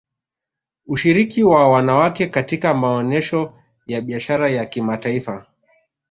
Ushiriki wa wanawake katika maonesho ya Biashara ya kimataifa